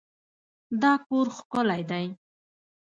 دا کور ښکلی دی.